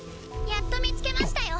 やっと見つけましたよ